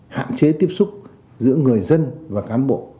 hạn chế tiếp xúc giữa người dân và cán bộ